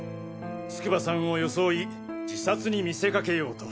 筑波さんを装い自殺に見せかけようと。